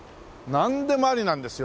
なんでもありなんですよ